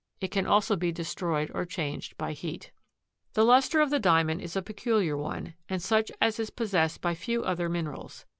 It can also be destroyed or changed by heat. The luster of the Diamond is a peculiar one, and such as is possessed by few other minerals.